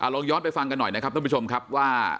ลองย้อนไปฟังกันหน่อยนะครับท่านผู้ชมครับว่า